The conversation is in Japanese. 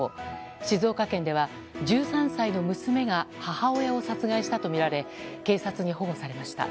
静岡県では１３歳の娘が母親を殺害したとみられ警察に保護されました。